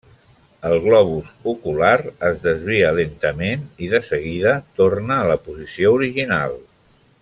El globus ocular es desvia lentament, i de seguida torna a la posició original.